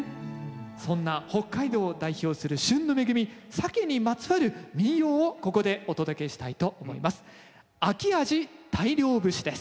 そんな北海道を代表する旬の恵みサケにまつわる民謡をここでお届けしたいと思います。